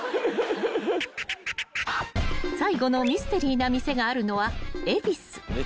［最後のミステリーな店があるのは］